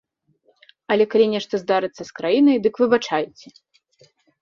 Але калі нешта здарыцца з краінай, дык выбачайце!